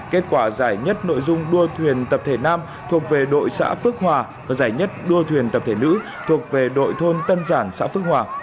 kết quả giải nhất nội dung đua thuyền tập thể nam thuộc về đội xã phước hòa và giải nhất đua thuyền tập thể nữ thuộc về đội thôn tân giản xã phước hòa